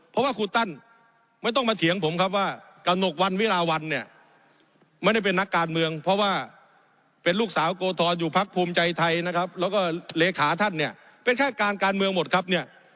เพราะว่าครูตั้นไม่ต้องมาเถียงผมครับว่ากระหนกวันวิราวันเนี่ยไม่ได้เป็นนักการเมืองเพราะว่าเป็นลูกสาวโกธรอยู่พักภูมิใจไทยนะครับแล้วก็เลขาท่านเนี่ยเป็นแค่การการเมืองหมดครับเนี่ย